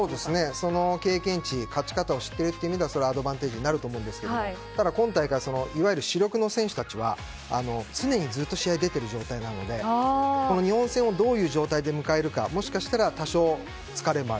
その経験値勝ち方を知っているというのはアドバンテージになると思いますが今大会いわゆる主力選手たちは常にずっと試合に出ている状態なので日本戦をどういう状態で迎えるかもしかしたら多少疲れもある。